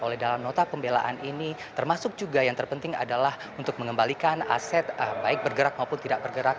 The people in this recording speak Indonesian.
oleh dalam nota pembelaan ini termasuk juga yang terpenting adalah untuk mengembalikan aset baik bergerak maupun tidak bergerak